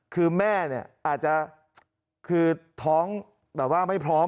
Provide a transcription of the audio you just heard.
คือแม่อาจจะคือท้องไม่พร้อม